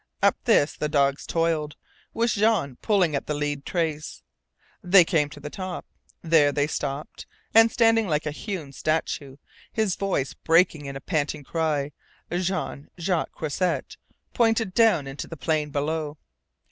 Up this the dogs toiled, with Jean pulling at the lead trace. They came to the top. There they stopped. And standing like a hewn statue, his voice breaking in a panting cry, Jean Jacques Croisett pointed down into the plain below.